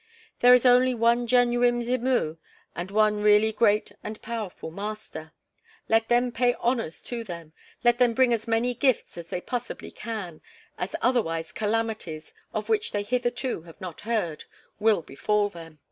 There is only one genuine Mzimu and one really great and powerful master. Let them pay honors to them; let them bring as many gifts as they possibly can, as otherwise calamities, of which they hitherto have not heard, will befall them.